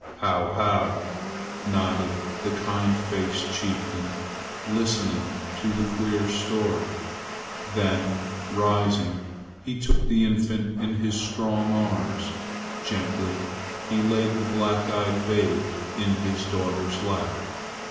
"How! how!" nodded the kind faced chieftain, listening to the queer story. Then rising, he took the infant in his strong arms; gently he laid the black eyed babe in his daughter's lap.